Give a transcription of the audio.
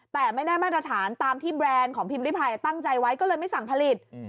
แต่ไม่ได้มาตรฐานตามที่แบรนด์ของพิมพ์ริพายตั้งใจไว้ก็เลยไม่สั่งผลิต